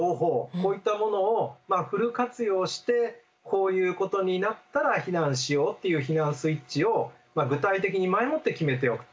こういったものをフル活用してこういうことになったら避難しようっていう避難スイッチを具体的に前もって決めておく。